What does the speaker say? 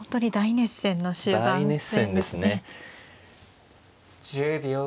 １０秒。